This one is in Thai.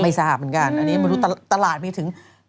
ไม่สารกันกันตลาดมีถึง